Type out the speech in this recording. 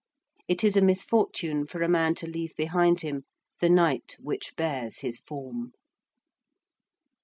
It is a misfortune for a man to leave behind him the night which bears his form.